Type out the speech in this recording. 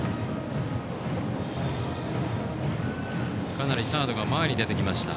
かなりサードが前に出てきました。